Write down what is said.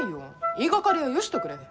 言いがかりはよしとくれ。